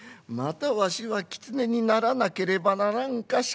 またわしはキツネにならなければならんか。